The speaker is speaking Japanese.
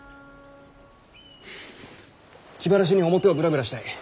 気晴らしに表をぶらぶらしたい。